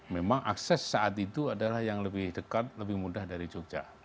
memang akses saat itu adalah yang lebih dekat lebih mudah dari jogja